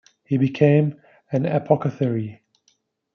He became an apothecary.